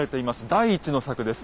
第１の柵です。